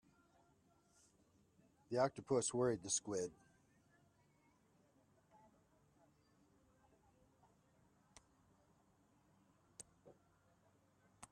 The octopus worried the squid.